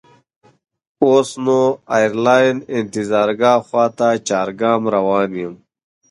اوس نو د ایرلاین انتظارګاه خواته چارګام روان یم.